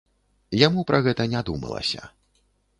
Яму пра гэта не думалася.